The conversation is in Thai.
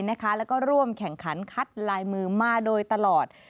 แล้วก็ร่วมแข่งขันคัดลายมือมาโดยตลอด